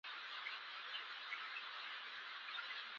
هغه د خپل هېواد د دفاع لپاره د خپلو خلکو سره اوږد جهاد وکړ.